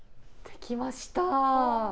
できました。